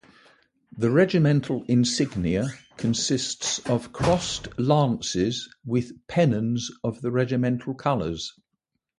The Regimental insignia consists of crossed lances with pennons of the regimental colours.